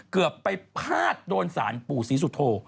เกือบไปพาดโดนสารปู่ศรีสุโธ